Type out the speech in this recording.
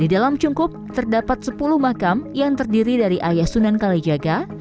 di dalam cungkup terdapat sepuluh makam yang terdiri dari ayah sunan kalijaga